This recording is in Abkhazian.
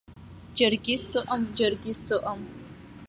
Џьаргьы сыҟам, џьаргьы сыҟам.